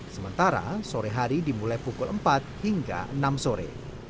sementara sore hari dimulai pukul empat hingga enam sore